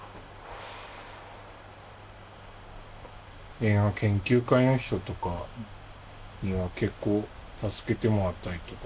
映画研究会の人とかには結構助けてもらったりとか。